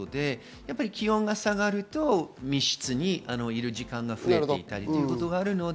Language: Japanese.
気温が下がると、密室にいる時間が増えていたりということがあるので。